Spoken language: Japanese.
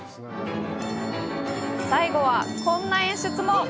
最後は、こんな演出も。